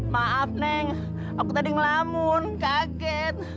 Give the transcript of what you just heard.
maaf neng aku tadi ngelamun kaget